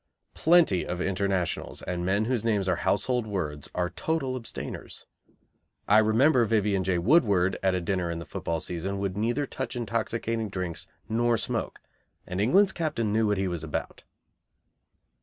Plenty of Internationals and men whose names are household words are total abstainers. I remember Vivian J. Woodward at a dinner in the football season would neither touch intoxicating drinks nor smoke, and England's captain knew what he was about.